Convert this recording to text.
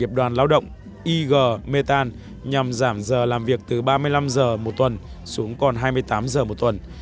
tập đoàn lao động ig metan nhằm giảm giờ làm việc từ ba mươi năm giờ một tuần xuống còn hai mươi tám giờ một tuần